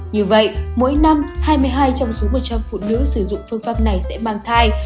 như vậy mỗi năm hai mươi hai trong số một trăm linh phụ nữ sử dụng phương pháp này sẽ mang thai